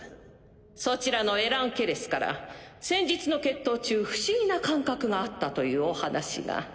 そちらのエラン・ケレスから先日の決闘中不思議な感覚があったというお話が。